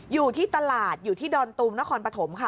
อยู่ที่ตลาดอยู่ที่ดอนตูมนครปฐมค่ะ